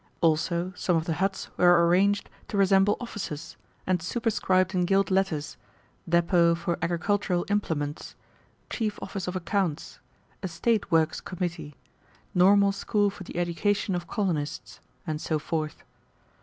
Also, some of the huts were arranged to resemble offices, and superscribed in gilt letters "Depot for Agricultural Implements," "Chief Office of Accounts," "Estate Works Committee," "Normal School for the Education of Colonists," and so forth.